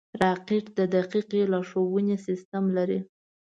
راکټ د دقیقې لارښونې سیسټم لري